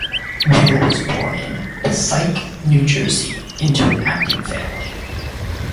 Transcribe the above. Weil was born in Passaic, New Jersey, into an acting family.